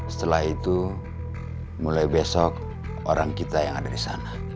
setelah itu mulai besok orang kita yang ada di sana